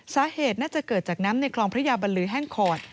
สาเหตุน่าจะเกิดจากน้ำในคลองพระยาบรรลือแห้งขอด